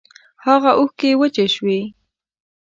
هاغه اوښکی وچې شوې